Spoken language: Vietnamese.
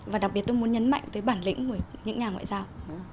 và đặc biệt tôi muốn nhấn mạnh tới bản lĩnh của những nhà ngoại giao